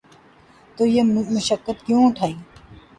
تو یہ مشقت کیوں اٹھائی؟